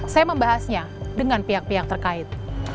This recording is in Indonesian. saya membahasnya dengan pihak pihak terkait